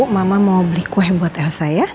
mama mau beli kue buat elsa ya